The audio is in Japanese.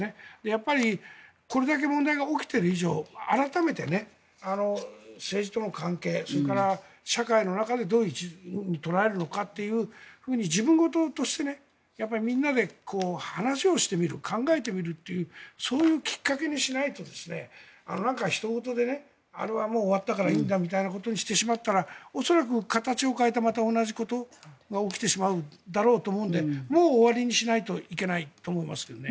やっぱりこれだけ問題が起きている以上改めて、政治との関係それから社会の中でどういうふうに捉えるのかというふうに自分事としてやはりみんなで話をしてみる考えてみるというそういうきっかけにしないとひと事であれはもう終わったからいいんだみたいなことにしてしまったら恐らく形を変えてまた同じことが起きてしまうと思うのでもう終わりにしないといけないと思いますけどね。